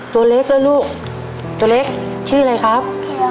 ตัวเล็กแล้วลูกตัวเล็กชื่ออะไรครับ